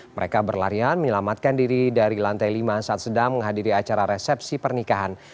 mereka berlarian menyelamatkan diri dari lantai lima saat sedang menghadiri acara resepsi pernikahan